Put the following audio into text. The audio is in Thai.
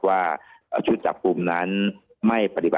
ท่านรองโฆษกครับ